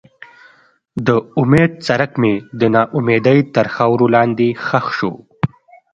د امید څرک مې د ناامیدۍ تر خاورو لاندې ښخ شو.